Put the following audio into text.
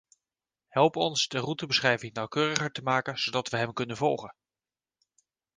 Help ons de routebeschrijving nauwkeuriger te maken, zodat we hem kunnen volgen.